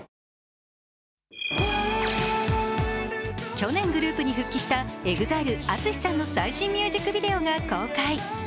去年、グループに復帰したＥＸＩＬＥＡＴＳＵＳＨＩさんの最新ミュージックビデオが公開。